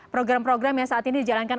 program program yang saat ini dijalankan